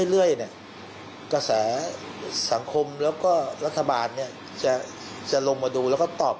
เรื่อยเนี่ยกระแสสังคมแล้วก็รัฐบาลเนี่ยจะลงมาดูแล้วก็ตอบ